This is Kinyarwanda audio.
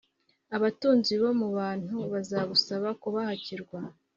abatunzi bo mu bantu bazagusaba kubahakirwa